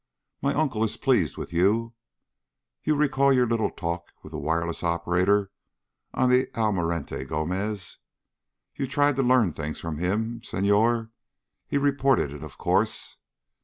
My uncle is pleased with you. You recall your little talk with the wireless operator on the Almirante Gomez? You tried to learn things from him, Senhor. He reported it. Of course.